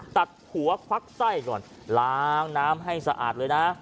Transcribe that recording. ตัดหัวควักไส้ก่อนล้างน้ำให้สะอาดเลยนะ